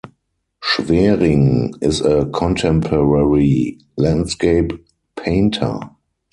Schwering is a contemporary landscape painter.